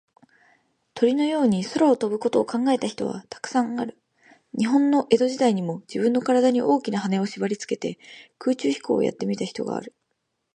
鳥のように空を飛ぶことを考えた人は、たくさんある。日本の江戸時代にも、じぶんのからだに、大きなはねをしばりつけて、空中飛行をやってみた人がある。